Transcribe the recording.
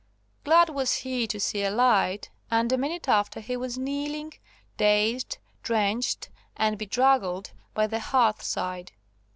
Glad was he to see a light, and a minute after he was kneeling, dazed, drenched, and bedraggled by the hearth side.